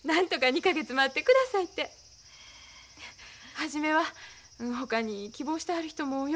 初めはほかに希望してはる人もよ